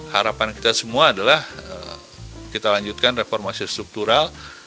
harapan kita semua adalah kita lanjutkan reformasi struktural